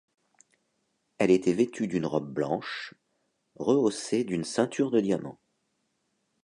Elle était vêtue d’une robe blanche, rehaussée d’une ceinture de diamants.